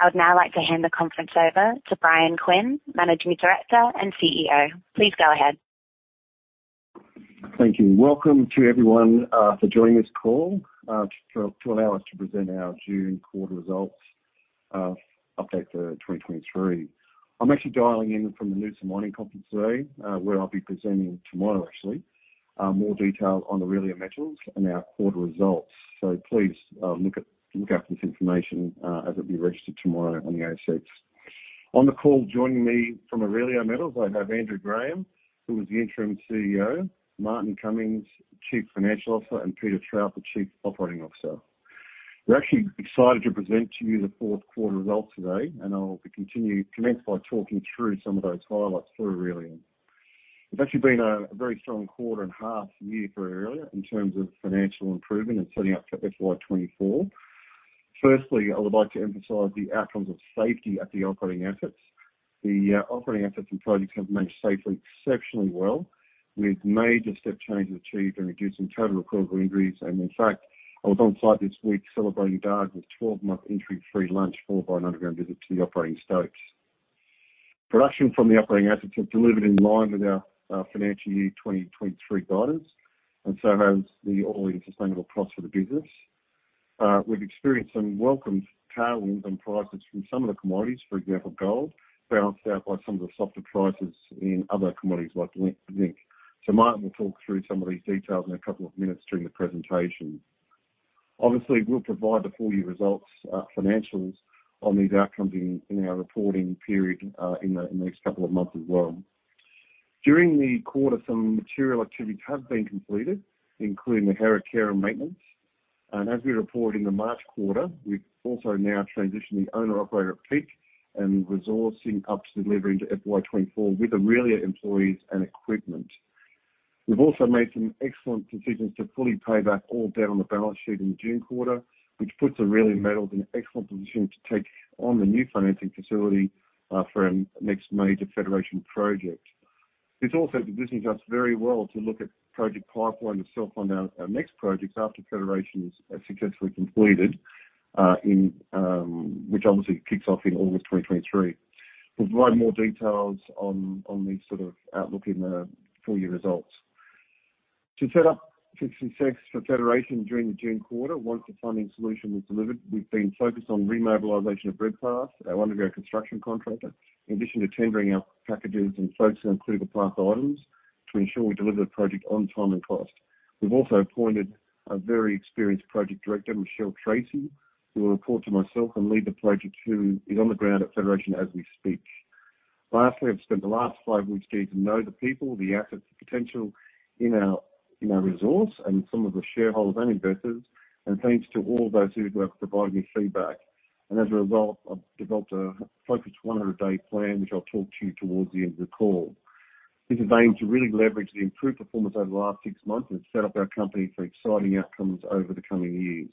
I would now like to hand the conference over to Bryan Quinn, Managing Director and CEO. Please go ahead. Thank you. Welcome to everyone for joining this call to allow us to present our June quarter results update for 2023. I'm actually dialing in from the Noosa Mining Investor Conference today, where I'll be presenting tomorrow, actually. More detail on the Aurelia Metals and our quarter results. Please look out for this information as it'll be registered tomorrow on the ASX. On the call, joining me from Aurelia Metals, I have Andrew Graham, who is the Interim CEO, Martin Cummings, Chief Financial Officer, and Peter Trout, the Chief Operating Officer. We're actually excited to present to you the fourth quarter results today. I'll commence by talking through some of those highlights for Aurelia. It's actually been a very strong quarter and half year for Aurelia in terms of financial improvement and setting up for FY 2024. Firstly, I would like to emphasize the outcomes of safety at the operating assets. The operating assets and projects have managed safely, exceptionally well, with major step changes achieved and reducing total recordable injuries. In fact, I was on site this week celebrating Dargues' 12-month injury-free lunch, followed by an underground visit to the operating stakes. Production from the operating assets have delivered in line with our financial year 2023 guidance, and so has the All-In Sustaining Cost for the business. We've experienced some welcomed tailwinds and prices from some of the commodities, for example, gold balanced out by some of the softer prices in other commodities like zinc. Martin will talk through some of these details in a couple of minutes during the presentation. Obviously, we'll provide the full year results, financials on these outcomes in our reporting period in the next couple of months as well. During the quarter, some material activities have been completed, including the Hera care and maintenance. As we reported in the March quarter, we've also now transitioned the owner-operator at Peak and resourcing up to deliver into FY 2024 with Aurelia employees and equipment. We've also made some excellent decisions to fully pay back all debt on the balance sheet in the June quarter, which puts Aurelia Metals in an excellent position to take on the new financing facility for our next major Federation project. This also positions us very well to look at project pipeline itself on our next projects after Federation is successfully completed in. Which obviously kicks off in August 2023. We'll provide more details on the sort of outlook in the full year results. To set up 56 for Federation during the June quarter, once the funding solution was delivered, we've been focused on remobilization of Redpath, our underground construction contractor, in addition to tendering out packages and focusing on critical path items to ensure we deliver the project on time and cost. We've also appointed a very experienced project director, Michelle Tracey, who will report to myself and lead the project, who is on the ground at Federation as we speak. Lastly, I've spent the last five weeks getting to know the people, the assets, the potential in our resource, thanks to all those who have provided me feedback. As a result, I've developed a focused 100-day plan, which I'll talk to you towards the end of the call. This is aimed to really leverage the improved performance over the last six months and set up our company for exciting outcomes over the coming years.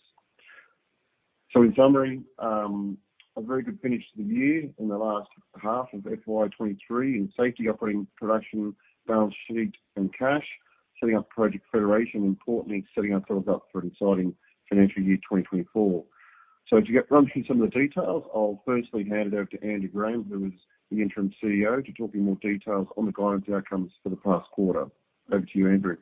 In summary, a very good finish to the year in the last half of FY 2023 in safety, operating, production, balance sheet and cash, setting up Project Federation, and importantly, setting ourselves up for an exciting financial year 2024. To get run through some of the details, I'll firstly hand it over to Andy Graham, who is the Interim CEO, to talk in more details on the guidance outcomes for the past quarter. Over to you, Andrew.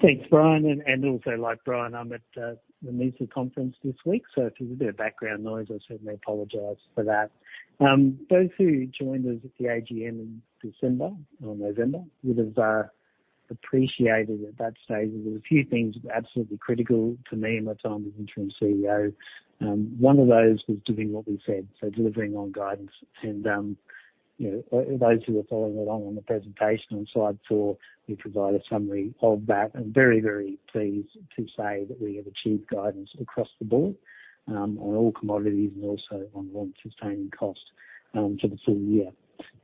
Thanks, Bryan. Also, like Bryan, I'm at the Noosa Conference this week, so if there's a bit of background noise, I certainly apologize for that. Those who joined us at the AGM in December or November, would have appreciated at that stage there were a few things absolutely critical to me in my time as Interim CEO. One of those was doing what we said, so delivering on guidance. You know, those who are following along on the presentation on slide four, we provide a summary of that. I'm very pleased to say that we have achieved guidance across the board, on all commodities and also on non-sustaining costs, for the full year.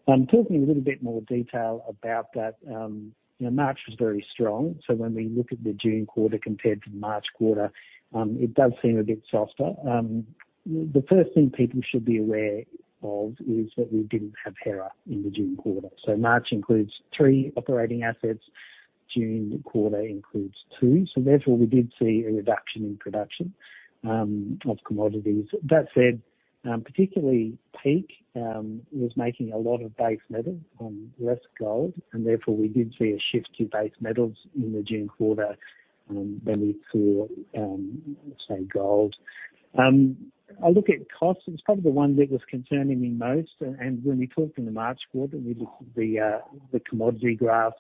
I'm talking in a little bit more detail about that, you know, March was very strong. When we look at the June quarter compared to the March quarter, it does seem a bit softer. The first thing people should be aware of is that we didn't have Hera in the June quarter. March includes three operating assets. June quarter includes two. Therefore, we did see a reduction in production of commodities. That said, particularly Peak, was making a lot of base metals, less gold, and therefore, we did see a shift to base metals in the June quarter, when we saw, say, gold. I look at costs. It's probably the one that was concerning me most. When we talked in the March quarter, we looked at the commodity graphs.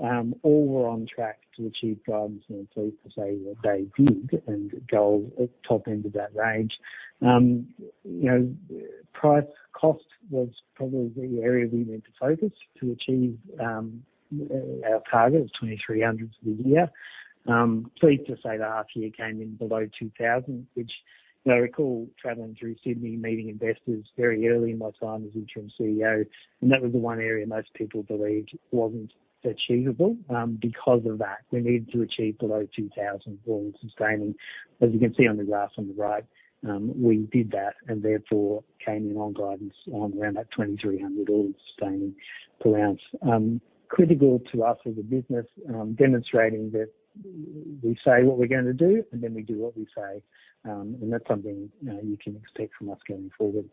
All were on track to achieve guidance, and I'm pleased to say that they did, and gold at top end of that range. You know, price, cost was probably the area we need to focus to achieve our target of 2,300 for the year. Pleased to say the half year came in below 2,000, which I recall traveling through Sydney, meeting investors very early in my time as Interim CEO, and that was the one area most people believed wasn't achievable. Because of that, we needed to achieve below 2,000 for All-In Sustaining. As you can see on the graph on the right, we did that, and therefore came in on guidance on around that 2,300 All-In Sustaining per ounce. Critical to us as a business, demonstrating that we say what we're going to do, and then we do what we say, and that's something you can expect from us going forward.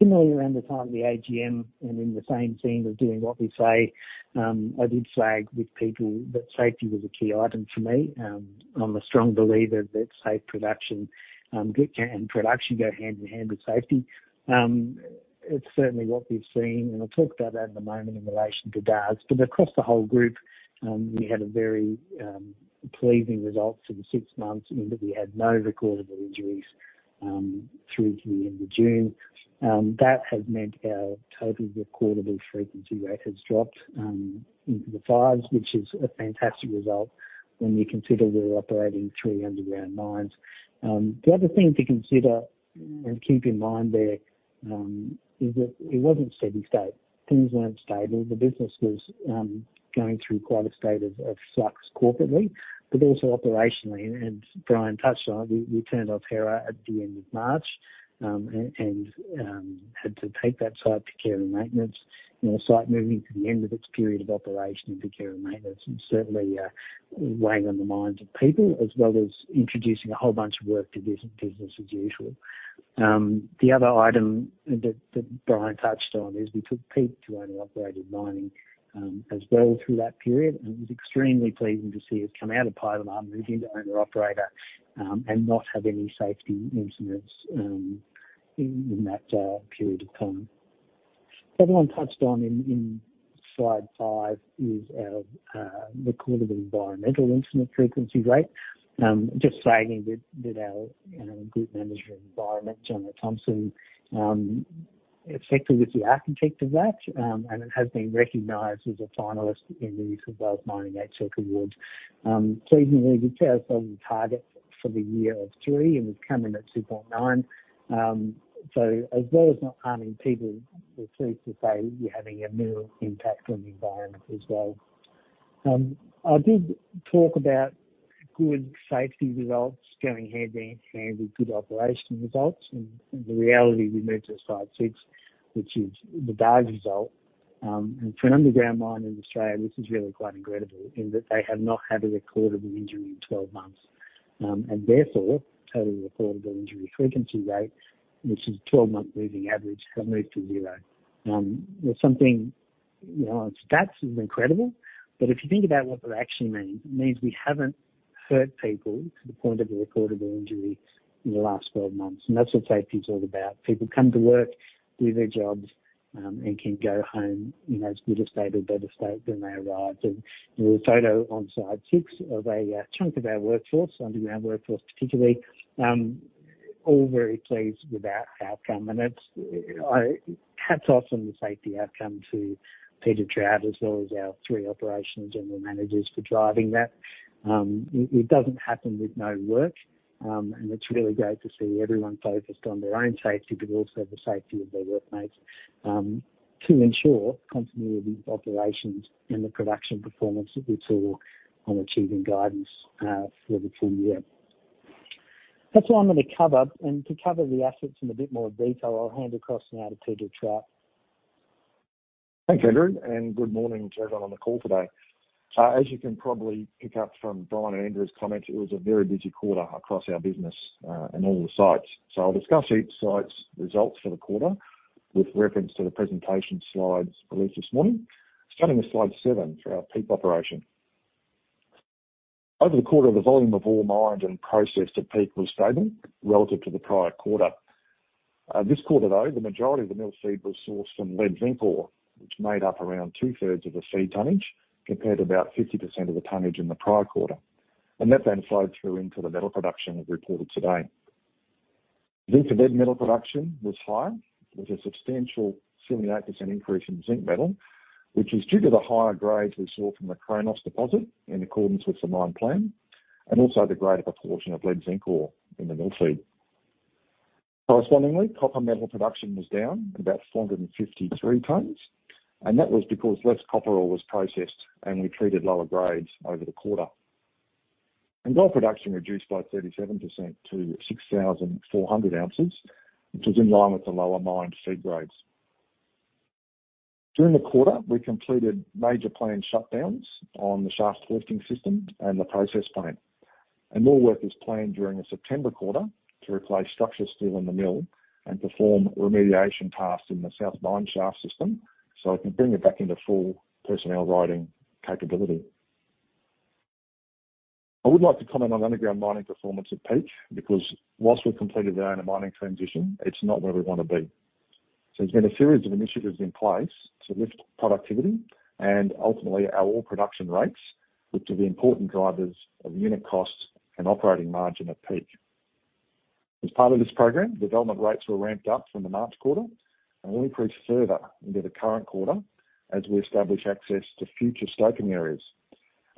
Similarly, around the time of the AGM and in the same theme of doing what we say, I did say with people that safety was a key item for me. I'm a strong believer that safe production, good and production go hand in hand with safety. It's certainly what we've seen, and I'll talk about that in a moment in relation to Dargues. Across the whole group, we had a very pleasing result for the six months in that we had no recordable injuries through to the end of June. That has meant our total recordable frequency rate has dropped into the fives, which is a fantastic result when you consider we're operating 3 underground mines. The other thing to consider and keep in mind there is that it wasn't steady state. Things weren't stable. The business was going through quite a state of flux corporately, but also operationally. Bryan touched on it. We turned off Hera at the end of March and had to take that site to care and maintenance. You know, a site moving to the end of its period of operation into care and maintenance is certainly weighing on the minds of people, as well as introducing a whole bunch of work to business as usual. The other item that Bryan touched on is we took Peak to owner-operated mining as well through that period, and it was extremely pleasing to see us come out of pile of mine and move into owner-operator and not have any safety incidents in that period of time. The other one touched on in slide five is our record of Environmental Incident Frequency Rate. Just saying that our Group Manager of environment, Jonathon Thompson, effectively was the architect of that, and it has been recognized as a finalist in the NSW Minerals Council HSEC Awards. Pleasingly, we set ourselves a target for the year of three, and we've come in at 2.9. As well as not harming people, we're pleased to say we're having a minimal impact on the environment as well. I did talk about good safety results going hand in hand with good operational results, and the reality we move to slide six, which is the Dargues result. For an underground mine in Australia, this is really quite incredible in that they have not had a recordable injury in 12 months. Therefore, Total Recordable Injury Frequency Rate, which is a 12-month moving average, have moved to zero. That's something, you know, stats is incredible, but if you think about what that actually means, it means we haven't hurt people to the point of a recordable injury in the last 12 months, and that's what safety is all about. People come to work, do their jobs, and can go home in as good a state or better state than they arrived. There's a photo on slide six of a chunk of our workforce, underground workforce, particularly, all very pleased with our outcome. It's hats off on the safety outcome to Peter Trout, as well as our three operational general managers for driving that. It doesn't happen with no work, and it's really great to see everyone focused on their own safety, but also the safety of their workmates, to ensure continuity of operations and the production performance that we saw on achieving guidance for the full year. That's all I'm going to cover, and to cover the assets in a bit more detail, I'll hand across now to Peter Trout. Thanks, Andrew, good morning to everyone on the call today. As you can probably pick up from Bryan and Andrew's comments, it was a very busy quarter across our business and all the sites. I'll discuss each site's results for the quarter with reference to the presentation slides released this morning. Starting with slide seven for our Peak operation. Over the quarter, the volume of ore mined and processed at Peak was stable relative to the prior quarter. This quarter, though, the majority of the mill feed was sourced from lead zinc ore, which made up around two-thirds of the feed tonnage, compared to about 50% of the tonnage in the prior quarter. That then flowed through into the metal production we've reported today. Zinc and lead metal production was high, with a substantial 78% increase in zinc metal, which is due to the higher grades we saw from the Kronos deposit in accordance with the mine plan, and also the greater proportion of lead zinc ore in the mill feed. Correspondingly, copper metal production was down about 453 tons, and that was because less copper ore was processed and we treated lower grades over the quarter. Gold production reduced by 37% to 6,400 ounces, which was in line with the lower mine feed grades. During the quarter, we completed major planned shutdowns on the shaft hoisting system and the process plant. More work is planned during the September quarter to replace structure steel in the mill and perform remediation tasks in the south mine shaft system, so it can bring it back into full personnel riding capability. I would like to comment on underground mining performance at Peak, because whilst we've completed our owner mining transition, it's not where we want to be. There's been a series of initiatives in place to lift productivity and ultimately our ore production rates, which are the important drivers of unit costs and operating margin at Peak. As part of this program, development rates were ramped up from the March quarter and will increase further into the current quarter as we establish access to future stoking areas.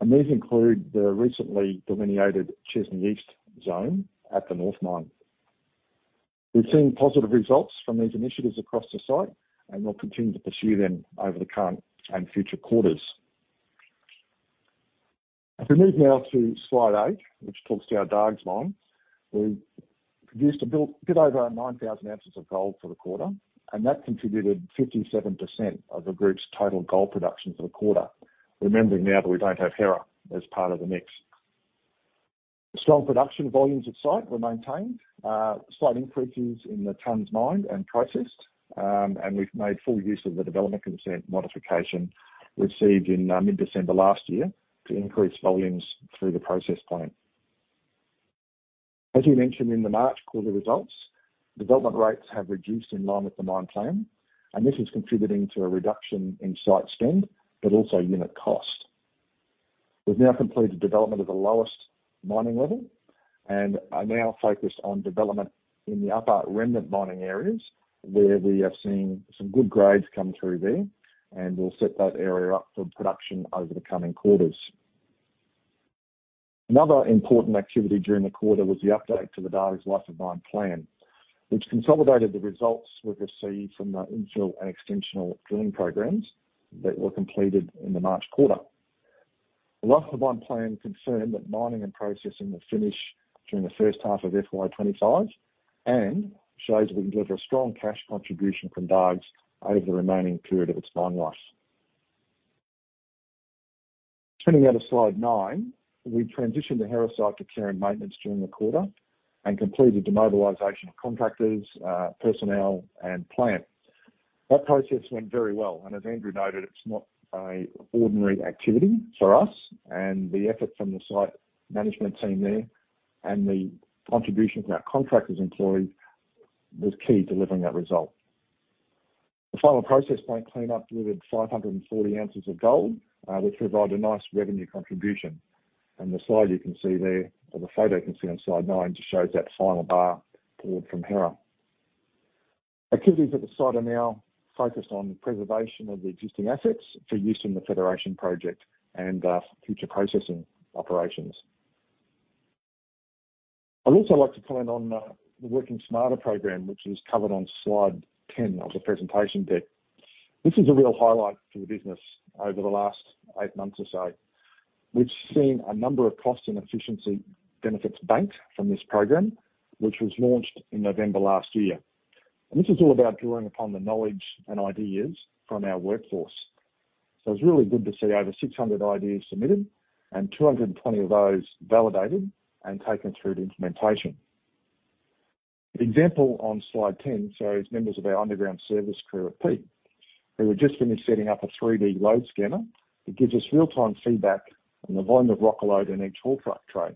These include the recently delineated Chesney East Zone at the North Mine. We've seen positive results from these initiatives across the site, and we'll continue to pursue them over the current and future quarters. If we move now to slide eight, which talks to our Dargues mine, we produced a bit over 9,000 ounces of gold for the quarter, and that contributed 57% of the group's total gold production for the quarter, remembering now that we don't have Hera as part of the mix. Strong production volumes at site were maintained. Slight increases in the tons mined and processed, and we've made full use of the development consent modification received in mid-December last year to increase volumes through the process plant. As we mentioned in the March quarter results, development rates have reduced in line with the mine plan, and this is contributing to a reduction in site spend, but also unit cost. We've now completed development of the lowest mining level, and are now focused on development in the upper remnant mining areas, where we have seen some good grades come through there, and we'll set that area up for production over the coming quarters. Another important activity during the quarter was the update to the Dargues life of mine plan, which consolidated the results we've received from the infill and extensional drilling programs that were completed in the March quarter. The life of mine plan confirmed that mining and processing will finish during the first half of FY 2025, shows we can deliver a strong cash contribution from Dargues over the remaining period of its mine life. Turning now to slide nine. We transitioned the Hera site to care and maintenance during the quarter, completed demobilization of contractors, personnel, and plant. That process went very well, as Andrew noted, it's not a ordinary activity for us, and the effort from the site management team there, and the contributions of our contractors employees, was key to delivering that result. The final process plant cleanup delivered 540 ounces of gold, which provided a nice revenue contribution. The slide you can see there, or the photo you can see on slide nine, just shows that final bar pulled from Hera. Activities at the site are now focused on preservation of the existing assets for use in the Federation project and future processing operations. I'd also like to comment on the Working Smarter Program, which is covered on slide 10 of the presentation deck. This is a real highlight for the business over the last eight months or so. We've seen a number of cost and efficiency benefits banked from this program, which was launched in November last year. This is all about drawing upon the knowledge and ideas from our workforce. It's really good to see over 600 ideas submitted, and 220 of those validated and taken through to implementation. The example on slide 10 shows members of our underground service crew at Peak, who have just finished setting up a 3D load scanner. It gives us real-time feedback on the volume of rock load in each haul truck trade.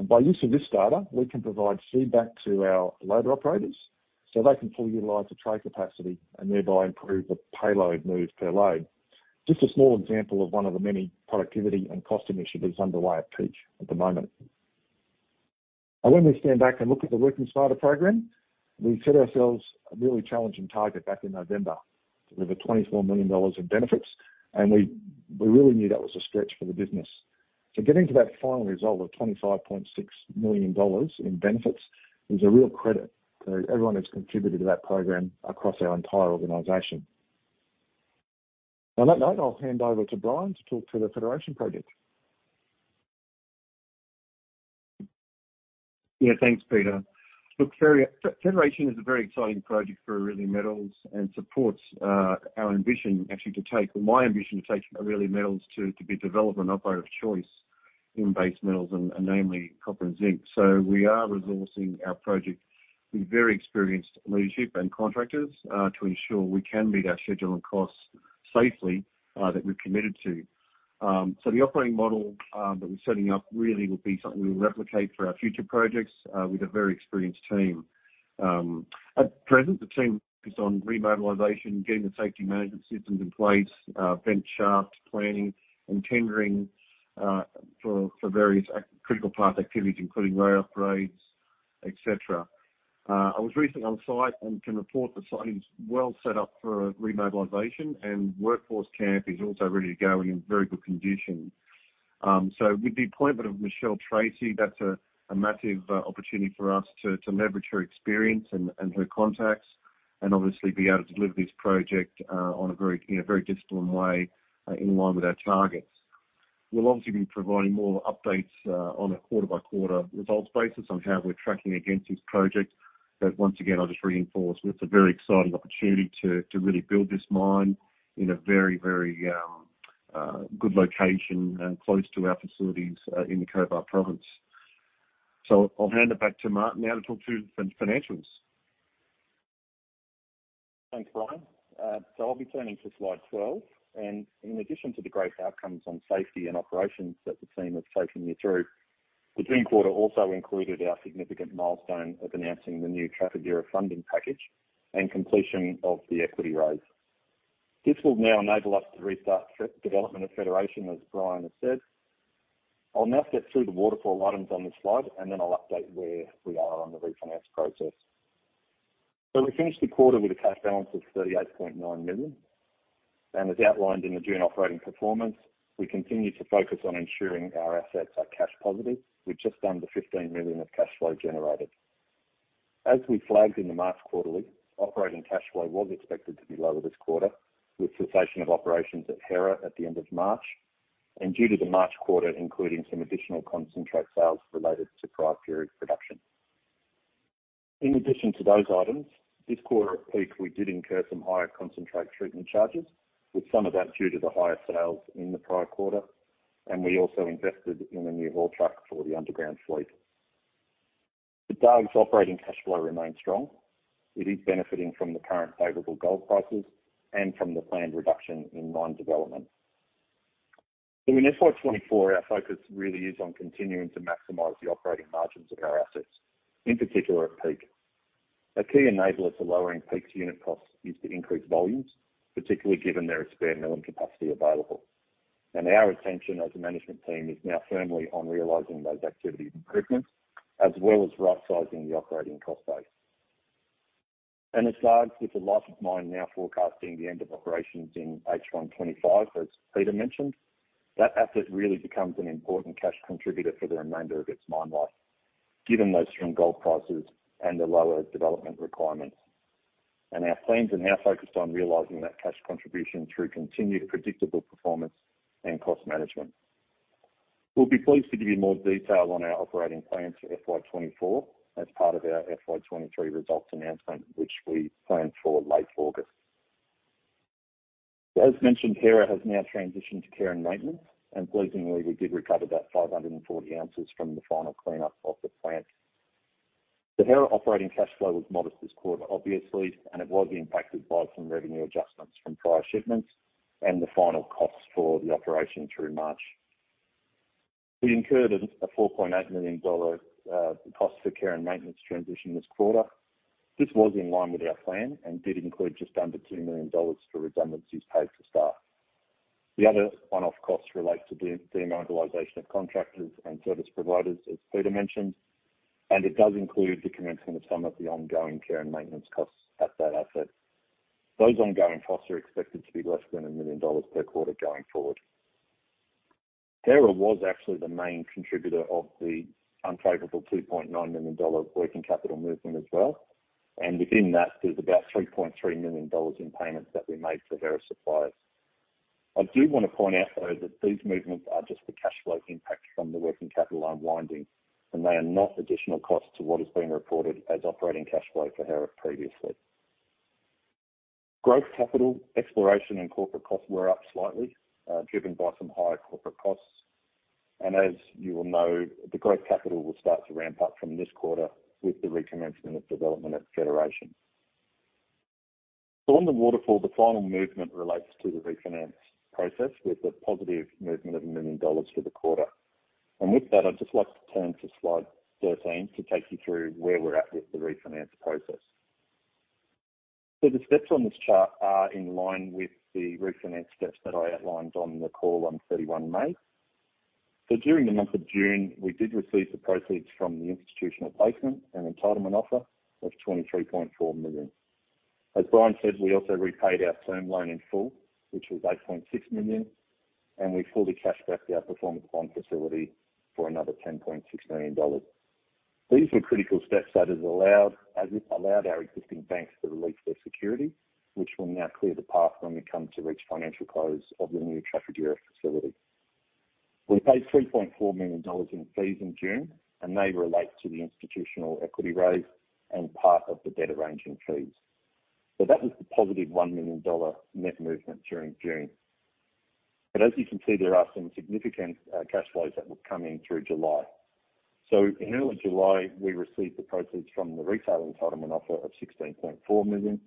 By use of this data, we can provide feedback to our loader operators, so they can fully utilize the tray capacity and thereby improve the payload moved per load. Just a small example of one of the many productivity and cost initiatives underway at Peak at the moment. When we stand back and look at the Working Smarter Program, we set ourselves a really challenging target back in November, to deliver $24 million in benefits. We really knew that was a stretch for the business. Getting to that final result of $25.6 million in benefits is a real credit to everyone who's contributed to that program across our entire organization. On that note, I'll hand over to Bryan to talk to the Federation project. Yeah, thanks, Peter. Look, very, Federation is a very exciting project for Aurelia Metals and supports, our ambition actually, my ambition to take Aurelia Metals to be developer and operator of choice in base metals and namely copper and zinc. We are resourcing our project with very experienced leadership and contractors to ensure we can meet our schedule and costs safely that we've committed to. The operating model that we're setting up really will be something we'll replicate for our future projects with a very experienced team. At present, the team is on remobilization, getting the safety management systems in place, vent shaft planning and tendering for various critical path activities, including rail upgrades, et cetera. I was recently on site and can report the site is well set up for remobilization, and workforce camp is also ready to go in very good condition. With the appointment of Michelle Tracey, that's a massive opportunity for us to leverage her experience and her contacts, and obviously be able to deliver this project in a very disciplined way in line with our targets. We'll obviously be providing more updates on a quarter-by-quarter results basis on how we're tracking against this project. Once again, I'll just reinforce, it's a very exciting opportunity to really build this mine in a very, very good location and close to our facilities in the Cobar Province. I'll hand it back to Martin now to talk to the financials. Thanks, Bryan. I'll be turning to slide 12, and in addition to the great outcomes on safety and operations that the team has taken me through, the June quarter also included our significant milestone of announcing the new Trafigura funding package and completion of the equity raise. This will now enable us to restart development of Federation, as Bryan has said. I'll now step through the waterfall items on this slide, and then I'll update where we are on the refinance process. We finished the quarter with a cash balance of 38.9 million, and as outlined in the June operating performance, we continue to focus on ensuring our assets are cash positive, with just under 15 million of cash flow generated. As we flagged in the March quarterly, operating cash flow was expected to be lower this quarter, with cessation of operations at Hera at the end of March, and due to the March quarter, including some additional concentrate sales related to prior period production. In addition to those items, this quarter at Peak, we did incur some higher concentrate treatment charges, with some of that due to the higher sales in the prior quarter, and we also invested in a new haul truck for the underground fleet. The Dargues operating cash flow remains strong. It is benefiting from the current favorable gold prices and from the planned reduction in mine development. In FY 2024, our focus really is on continuing to maximize the operating margins of our assets, in particular at Peak. A key enabler to lowering Peak's unit costs is to increase volumes, particularly given their spare milling capacity available. Our attention as a management team is now firmly on realizing those activity improvements, as well as rightsizing the operating cost base. As Dargues, with the life of mine, now forecasting the end of operations in H1 2025, as Peter mentioned, that asset really becomes an important cash contributor for the remainder of its mine life, given those strong gold prices and the lower development requirements. Our plans are now focused on realizing that cash contribution through continued predictable performance and cost management. We'll be pleased to give you more detail on our operating plans for FY 2024 as part of our FY 2023 results announcement, which we plan for late August. As mentioned, Hera has now transitioned to care and maintenance, and pleasingly, we did recover about 540 ounces from the final cleanup of the plant. The Hera operating cash flow was modest this quarter, obviously, and it was impacted by some revenue adjustments from prior shipments and the final costs for the operation through March. We incurred 4.8 million dollar cost for care and maintenance transition this quarter. This was in line with our plan and did include just under 2 million dollars for redundancies paid to staff. The other one-off costs relate to demobilization of contractors and service providers, as Peter mentioned, and it does include the commencement of some of the ongoing care and maintenance costs at that asset. Those ongoing costs are expected to be less than 1 million dollars per quarter going forward. Hera was actually the main contributor of the unfavorable 2.9 million dollars working capital movement as well. Within that, there's about 3.3 million dollars in payments that we made to various suppliers. I do want to point out, though, that these movements are just the cash flow impacts from the working capital unwinding, and they are not additional costs to what is being reported as operating cash flow for Hera previously. Growth, capital, exploration, and corporate costs were up slightly, driven by some higher corporate costs. As you will know, the growth capital will start to ramp up from this quarter with the recommencement of development at Federation. On the waterfall, the final movement relates to the refinance process, with a positive movement of 1 million dollars for the quarter. With that, I'd just like to turn to slide 13 to take you through where we're at with the refinance process. The steps on this chart are in line with the refinance steps that I outlined on the call on 31 May. During the month of June, we did receive the proceeds from the institutional placement and entitlement offer of 23.4 million. As Bryan said, we also repaid our term loan in full, which was 8.6 million, and we fully cashed back our performance bond facility for another 10.6 million dollars. These were critical steps as it allowed our existing banks to release their security, which will now clear the path when we come to reach financial close of the new Trafigura facility. We paid 3.4 million dollars in fees in June. They relate to the institutional equity raise and part of the debt arranging fees. That was the positive 1 million dollar net movement during June. As you can see, there are some significant cash flows that will come in through July. In early July, we received the proceeds from the retail entitlement offer of 16.4 million,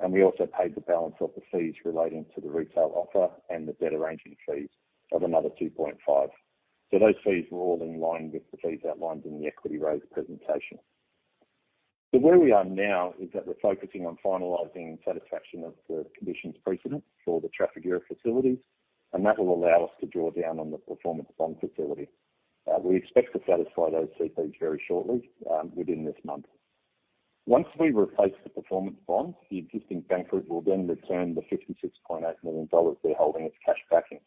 and we also paid the balance of the fees relating to the retail offer and the debt arranging fees of another 2.5 million. Those fees were all in line with the fees outlined in the equity raise presentation. Where we are now is that we're focusing on finalizing satisfaction of the conditions precedent for the Trafigura facilities, and that will allow us to draw down on the performance bond facility. We expect to satisfy those CPs very shortly, within this month. Once we replace the performance bond, the existing bankers will then return the 56.8 million dollars they're holding as cash backing.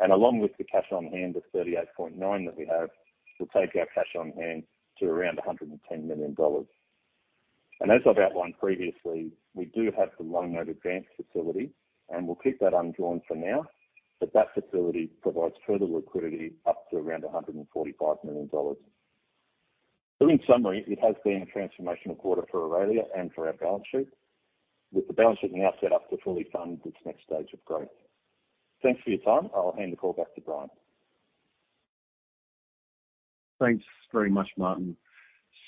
Along with the cash on hand of 38.9 million that we have, will take our cash on hand to around 110 million dollars. As I've outlined previously, we do have the loan note advance facility, and we'll keep that undrawn for now, but that facility provides further liquidity, up to around 145 million dollars. In summary, it has been a transformational quarter for Aurelia and for our balance sheet, with the balance sheet now set up to fully fund this next stage of growth. Thanks for your time. I'll hand the call back to Bryan. Thanks very much, Martin.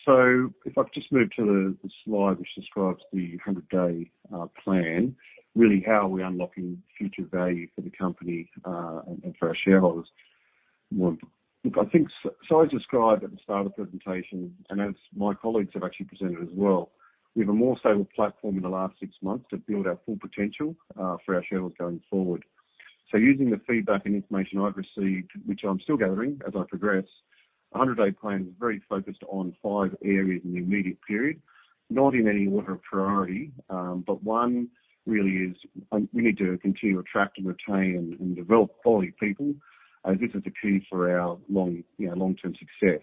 If I've just moved to the slide which describes the 100-Day Plan, really how are we unlocking future value for the company, and for our shareholders? Well, look, I think so, as described at the start of presentation, and as my colleagues have actually presented as well, we have a more stable platform in the last six months to build our full potential for our shareholders going forward. Using the feedback and information I've received, which I'm still gathering as I progress, a 100-Day Plan is very focused on five areas in the immediate period, not in any order of priority, but one really is, we need to continue to attract and retain and develop quality people, as this is the key for our long, you know, long-term success.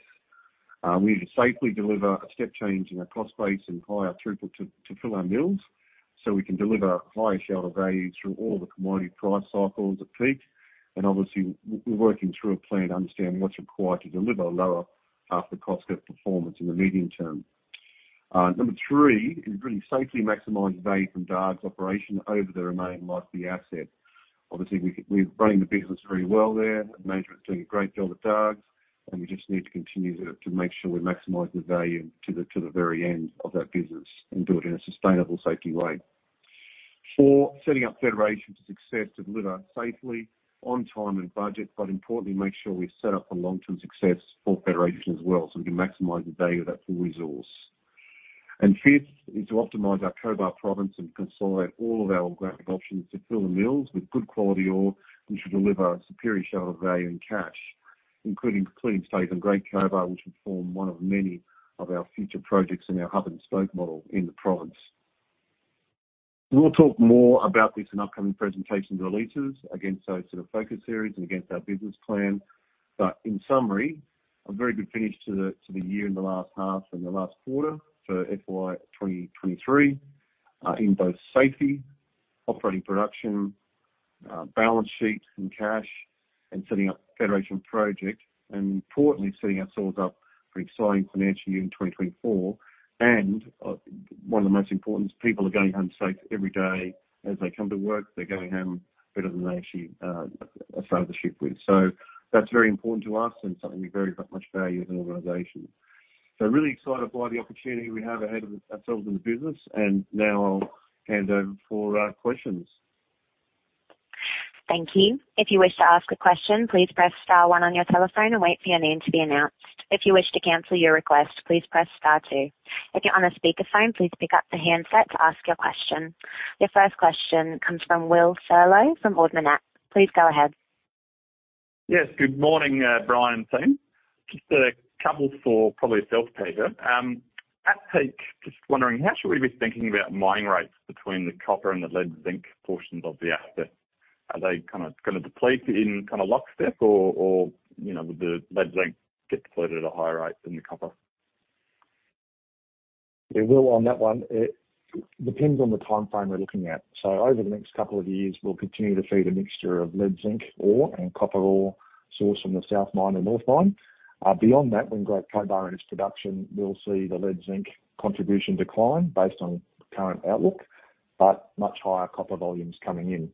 We need to safely deliver a step change in our cost base and higher throughput to fill our mills. We can deliver higher shareholder value through all the commodity price cycles at Peak. Obviously, we're working through a plan to understand what's required to deliver lower half the cost of performance in the medium term. Number three is really safely maximize value from Dargues operation over the remaining life of the asset. Obviously, we're running the business very well there. Management's doing a great job at Dargues, and we just need to continue to make sure we maximize the value to the very end of that business and do it in a sustainable safety way. Four, setting up Federation to success, to deliver safely on time and budget, but importantly, make sure we're set up for long-term success for Federation as well, so we can maximize the value of that full resource. Fifth, is to optimize our Cobar province and consolidate all of our organic options to fill the mills with good quality ore, which should deliver superior shareholder value and cash, including safe and Great Cobar, which will form one of many of our future projects in our hub and spoke model in the province. We'll talk more about this in upcoming presentations and releases, against our sort of focus areas and against our business plan. In summary, a very good finish to the year in the last half and the last quarter for FY 2023, in both safety, operating production, balance sheet and cash, and setting up Federation Project, and importantly, setting ourselves up for exciting financial year in 2024. One of the most important is people are going home safe every day. As they come to work, they're going home better than they actually started the shift with. That's very important to us and something we very got much value as an organization. Really excited by the opportunity we have ahead of ourselves in the business. Now I'll hand over for questions. Thank you. If you wish to ask a question, please press star one on your telephone and wait for your name to be announced. If you wish to cancel your request, please press star two. If you're on a speakerphone, please pick up the handset to ask your question. Your first question comes from Will Furlow from Ord Minnett. Please go ahead. Good morning, Bryan team. Just a couple for probably yourself, Peter. At Peak, just wondering, how should we be thinking about mining rates between the copper and the lead zinc portions of the asset? Are they kinda gonna deplete in kinda lockstep or, you know, the lead zinc get depleted at a higher rate than the copper? It will on that one. It depends on the timeframe we're looking at. Over the next couple of years, we'll continue to feed a mixture of lead, zinc ore, and copper ore sourced from the south mine and north mine. Beyond that, when Great Cobar is in production, we'll see the lead zinc contribution decline based on current outlook, but much higher copper volumes coming in.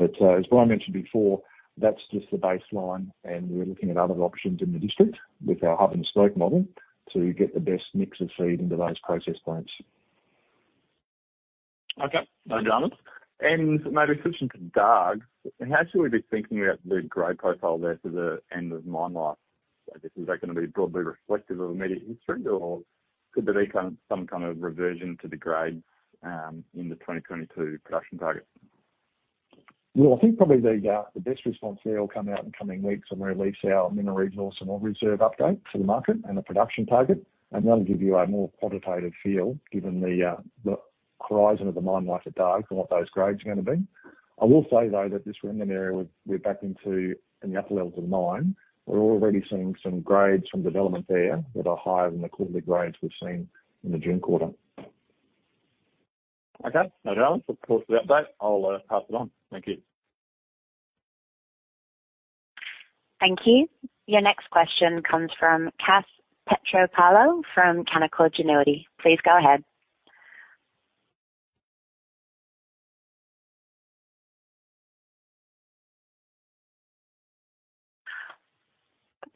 As Bryan mentioned before, that's just the baseline, and we're looking at other options in the district with our hub and spoke model to get the best mix of feed into those process plants. Okay, no dramas. Maybe a question to Dargues. How should we be thinking about the grade profile there to the end of mine life? Is that gonna be broadly reflective of immediate history, or could there be kind of, some kind of reversion to the grades in the 2022 production target? I think probably the best response there will come out in coming weeks when we release our mineral resource and ore reserve update to the market and the production target. That'll give you a more quantitative feel, given the horizon of the mine life at Dargues and what those grades are gonna be. I will say, though, that this random area, we're back into in the upper levels of the mine. We're already seeing some grades from development there that are higher than the quarterly grades we've seen in the June quarter. Okay, no dramas. Of course, for the update, I'll pass it on. Thank you. Thank you. Your next question comes from Cafiero Pietropaolo from Canaccord Genuity. Please go ahead.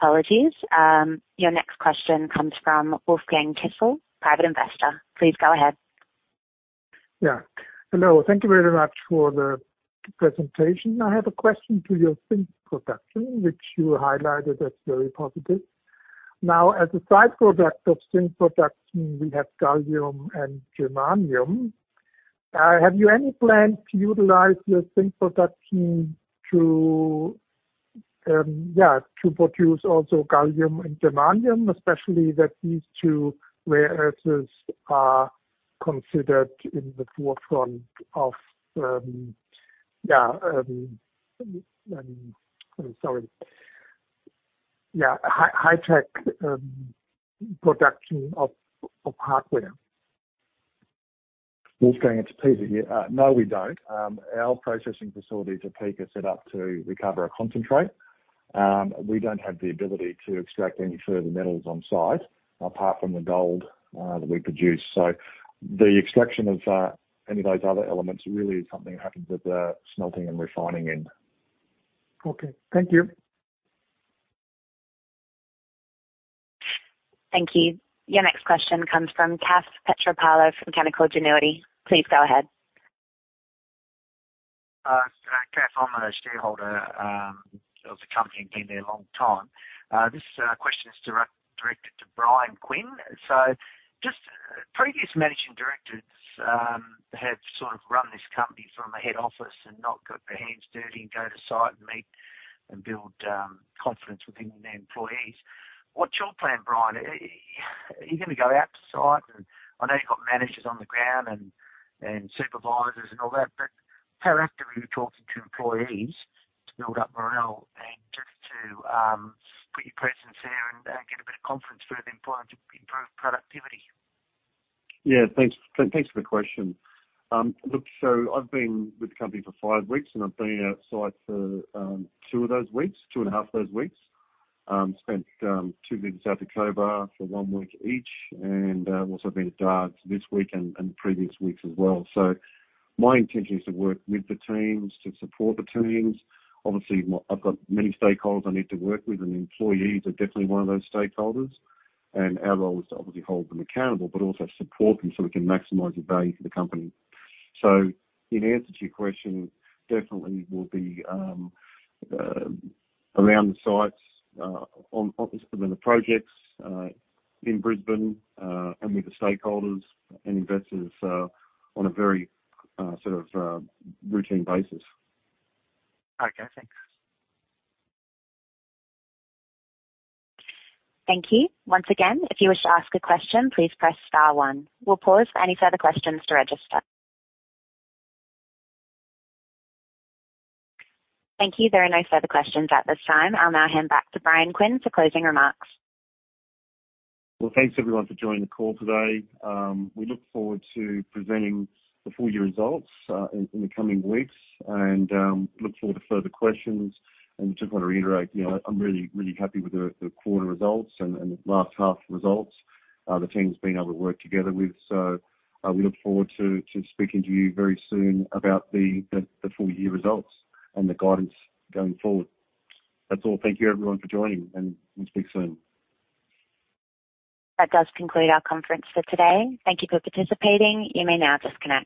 Apologies. Your next question comes from Wolfgang Kissel, private investor. Please go ahead. Hello, thank you very much for the presentation. I have a question to your zinc production, which you highlighted as very positive. Now, as a side product of zinc production, we have gallium and germanium. Have you any plan to utilize your zinc production to produce also gallium and germanium, especially that these two rare earths are considered in the forefront of high-tech production of hardware. Wolfgang, it's Peter here. No, we don't. Our processing facilities at Peak are set up to recover a concentrate. We don't have the ability to extract any further metals on site apart from the gold that we produce. The extraction of any of those other elements really is something that happens at the smelting and refining end. Okay, thank you. Thank you. Your next question comes from Cafiero Pietropaolo from Canaccord Genuity. Please go ahead. Cass, I'm a shareholder of the company and been there a long time. This question is directed to Bryan Quinn. Just previous managing directors have sort of run this company from a head office and not got their hands dirty and go to site and meet and build confidence within the employees. What's your plan, Bryan? Are you gonna go out to site? I know you've got managers on the ground and supervisors and all that, but how actively are you talking to employees to build up morale and just to put your presence there and get a bit of confidence for the employees to improve productivity? Yeah, thanks. Thanks for the question. Look, so I've been with the company for five weeks, and I've been out site for two of those weeks, two and a half of those weeks. Spent two weeks out to Cobar for one week each, also been to Dargues this week and previous weeks as well. My intention is to work with the teams, to support the teams. Obviously, I've got many stakeholders I need to work with, and the employees are definitely one of those stakeholders. Our role is to obviously hold them accountable, but also support them so we can maximize the value for the company. In answer to your question, definitely we'll be around the sites on the projects in Brisbane and with the stakeholders and investors on a very sort of routine basis. Okay, thanks. Thank you. Once again, if you wish to ask a question, please press star one. We'll pause for any further questions to register. Thank you. There are no further questions at this time. I'll now hand back to Bryan Quinn for closing remarks. Well, thanks, everyone, for joining the call today. We look forward to presenting the full year results in the coming weeks and look forward to further questions. Just want to reiterate, you know, I'm really happy with the quarter results and the last half results. The team's been able to work together with. We look forward to speaking to you very soon about the full year results and the guidance going forward. That's all. Thank you, everyone, for joining, we'll speak soon. That does conclude our conference for today. Thank you for participating. You may now disconnect.